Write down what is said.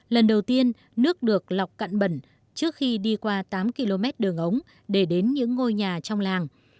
lần đầu tiên nước được lọc cặn bẩn trước khi đi qua tám km đường ống để đến những ngôi nhà trong làng